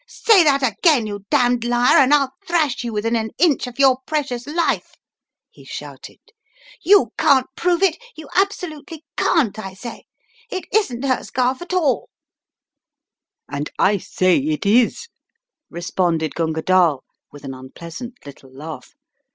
"Say that again, you damned liar, and I'll thrash you within an inch of your precious life !" he shouted. "You can't prove it — you absolutely can't, I say! It isn't her scarf at all " "And I say it is /" responded Gunga DaJl with an unpleasant little laugh.